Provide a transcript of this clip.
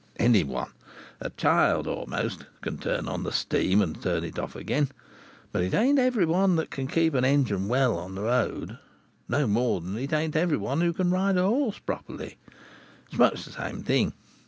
Any one, a child a'most, can turn on the steam and turn it off again; but it ain't every one that can keep a engine well on the road, no more than it ain't every one who can ride a horse properly. It is much the same thing.